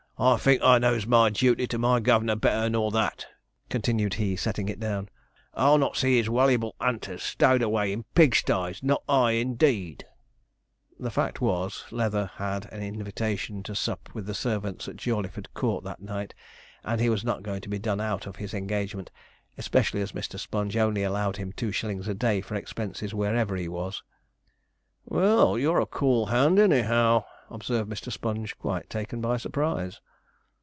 'I thinks I knows my duty to my gov'nor better nor that,' continued he, setting it down. 'I'll not see his waluable 'unters stowed away in pigsties not I, indeed.' The fact was, Leather had an invitation to sup with the servants at Jawleyford Court that night, and he was not going to be done out of his engagement, especially as Mr. Sponge only allowed him two shillings a day for expenses wherever he was. [Illustration: MR. LEATHER AND SPONGE HAVE A DIFFERENCE OF OPINION] 'Well, you're a cool hand, anyhow,' observed Mr. Sponge, quite taken by surprise.